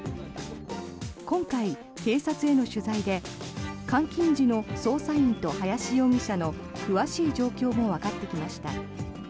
今回、警察への取材で監禁時の捜査員と林容疑者の詳しい状況もわかってきました。